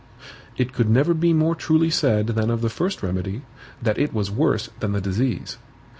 It could never be more truly said than of the first remedy, that it was worse than the disease.